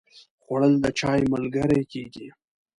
خوړل د چای ملګری کېږي